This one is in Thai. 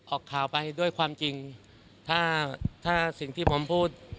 ออกข่าวไปด้วยความจริงถ้าถ้าสิ่งที่ผมพูด